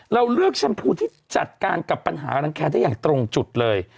เราเลือกชมพูที่จัดการกับปัญหารังแคร์ได้อย่างตรงจุดเลย